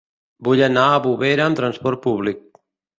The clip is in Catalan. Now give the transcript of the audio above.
Vull anar a Bovera amb trasport públic.